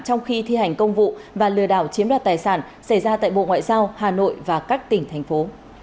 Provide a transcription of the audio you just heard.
trong khi thi hành công vụ và lừa đảo chiếm đoạt tài sản xảy ra tại bộ ngoại giao hà nội và các tỉnh thành phố